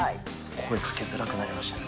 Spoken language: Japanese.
声、かけづらくなりましたね。